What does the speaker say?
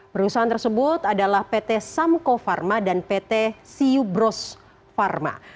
perusahaan tersebut adalah pt samko pharma dan pt siubros pharma